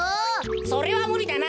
それはむりだな。